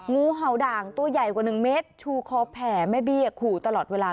งูเห่าด่างตัวใหญ่กว่า๑เมตรชูคอแผ่แม่เบี้ยขู่ตลอดเวลา